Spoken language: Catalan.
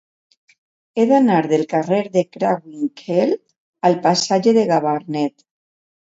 He d'anar del carrer de Craywinckel al passatge de Gabarnet.